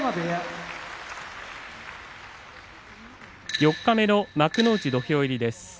四日目の幕内土俵入りです。